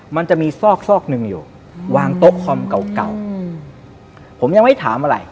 มันจะมีซอกซอกหนึ่งอยู่วางโต๊ะคอมเก่าเก่าผมยังไม่ถามอะไร